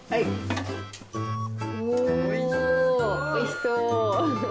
おおおいしそう。